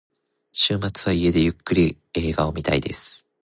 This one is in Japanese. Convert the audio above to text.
週末は家でゆっくり映画を見たいです。